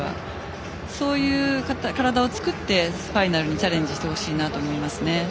そういう体を作ってファイナルにチャレンジしてほしいですね。